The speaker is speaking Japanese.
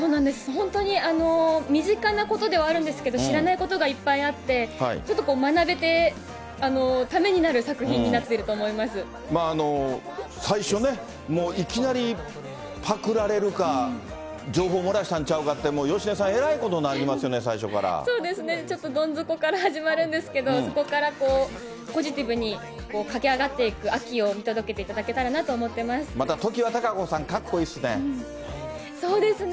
本当に身近なことではあるんですけど、知らないことがいっぱいあって、ちょっと学べて、ためになる作品になっ最初ね、もういきなりパクられるか、情報漏らしたんちゃうか、芳根さん、えらいことなりますよね、最そうですね、ちょっとどん底から始まるんですけど、そこからポジティブに駆け上がっていく亜季を見届けていただけたまた常盤貴子さん、かっこいそうですね。